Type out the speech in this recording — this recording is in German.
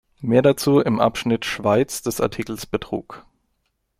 Mehr dazu im Abschnitt "Schweiz" des Artikels Betrug.